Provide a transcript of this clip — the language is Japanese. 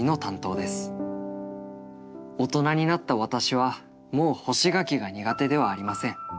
大人になった私はもう干し柿が苦手ではありません。